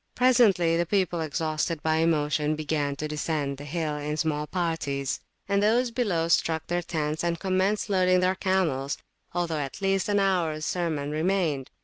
Presently the people, exhausted by emotion, began to descend the hill in small parties; and those below struck their tents and commenced loading their camels, although at least an hours sermon remained.